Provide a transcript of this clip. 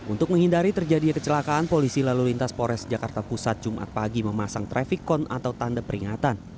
untuk menghindari terjadinya kecelakaan polisi lalu lintas pores jakarta pusat jumat pagi memasang traffic con atau tanda peringatan